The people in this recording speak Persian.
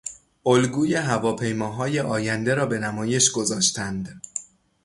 الگوی هواپیماهای آینده را به نمایش گذاشتند.